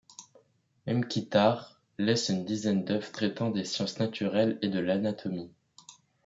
Mkhitar laisse une dizaine d'œuvres traitant des sciences naturelles et de l'anatomie.